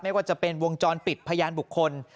ว่าจะเป็นวงจรปิดพยานบุคคล